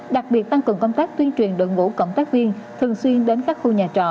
đặc biệt tăng cường công tác tuyên truyền đội ngũ cộng tác viên thường xuyên đến các khu nhà trọ